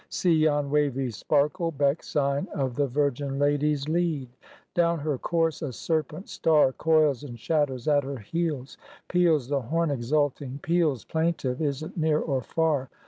See yon wavy sparkle beck Sign of the Virgin Lady's lead. Down her course a serpent star Coils and shatters at her heels; Peals the horn exulting, peals Plaintive, is it near or far.